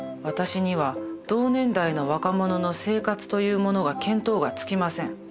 私には同年代の若者の生活というものが見当がつきません。